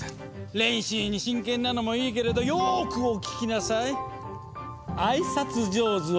練習に真剣なのもいいけれどよくお聞きなさい。